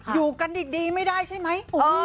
อยู่กันดีไม่ได้ใช่ไหม